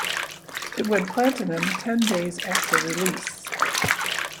It went platinum ten days after release.